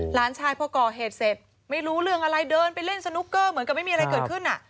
หลานชายพอก่อเหตุเสร็จไม่รู้เรื่องอะไรเดินไปเล่นสนุกเกอร์เหมือนกับไม่มีอะไรเกิดขึ้น